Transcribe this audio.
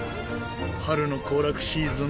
春の行楽シーズン